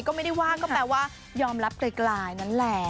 ก็ไม่ได้ว่าก็แปลว่ายอมรับไกลนั่นแหละ